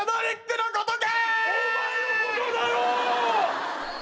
お前のことだよ！